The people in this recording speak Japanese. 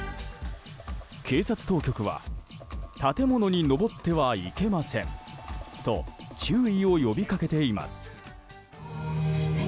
警察当局は建物に登ってはいけませんと注意を呼び掛けています。